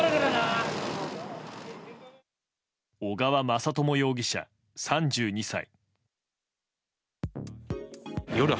小川雅朝容疑者、３２歳。